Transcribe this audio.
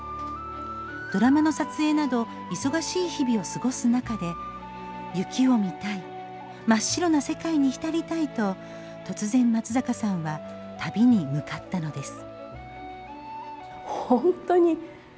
ドラマの撮影など忙しい日々を過ごす中で雪を見たい真っ白な世界に浸りたいと突然、松坂さんは旅に向かったのです。